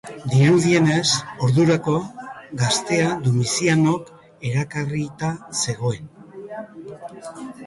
Dirudienez, ordurako, gaztea Domizianok erakarrita zegoen.